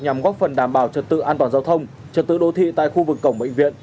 nhằm góp phần đảm bảo trật tự an toàn giao thông trật tự đô thị tại khu vực cổng bệnh viện